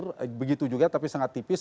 di jawa timur begitu juga tapi sangat tipis